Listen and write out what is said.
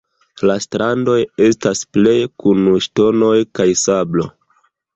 La strandoj estas pleje kun ŝtonoj kaj sablo.